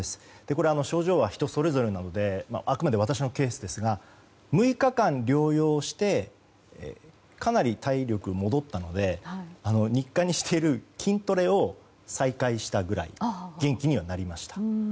これは、症状は人それぞれなのであくまで私のケースですが６日間療養してかなり体力戻ったので日課にしている筋トレを再開したくらい元気にはなりました。